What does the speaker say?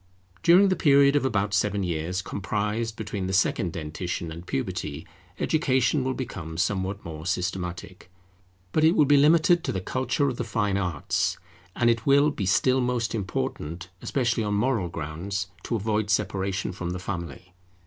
During the period of about seven years comprised between the second dentition and puberty, Education will become somewhat more systematic; but it will be limited to the culture of the fine arts; and it will be still most important, especially on moral grounds, to avoid separation from the family.